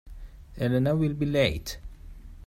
Elena will be late.